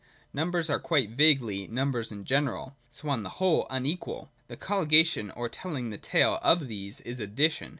Numbers are quite vaguely numbers in general, and so, on the whole, unequal. The colligation, or telling the tale of these, is Addition.